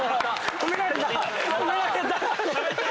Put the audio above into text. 褒められました！